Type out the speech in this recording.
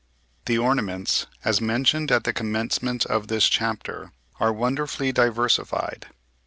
The ornaments, as mentioned at the commencement of this chapter, are wonderfully diversified.